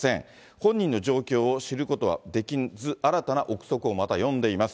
本人の状況を知ることはできず、新たな臆測をまた呼んでいます。